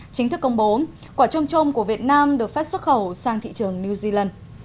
chính thức công bố quả trôm trôm của việt nam được phép xuất khẩu sang thị trường new zealand